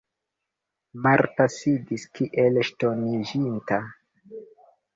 Marta sidis kiel ŝtoniĝinta.